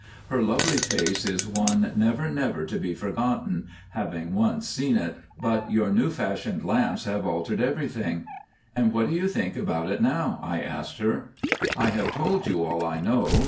Her lovely face is one never, never to be forgotten, having once seen it, but your new fashioned lamps have altered everything." "And what do you think about it now?" I asked her. "I have told you all I know.